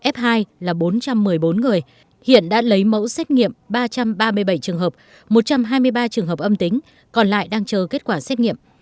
f hai là bốn trăm một mươi bốn người hiện đã lấy mẫu xét nghiệm ba trăm ba mươi bảy trường hợp một trăm hai mươi ba trường hợp âm tính còn lại đang chờ kết quả xét nghiệm